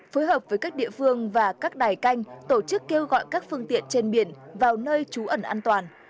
phối hợp với các địa phương và các đài canh tổ chức kêu gọi các phương tiện trên biển vào nơi trú ẩn an toàn